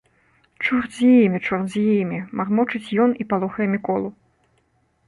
— Чорт і з ім, чорт і з ім, — мармочыць ён і палохае Міколу.